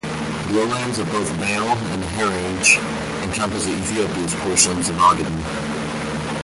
The lowlands of both Bale and Harerge encompassed Ethiopia's portion of the Ogaden.